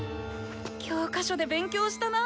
教科書で勉強したなぁ。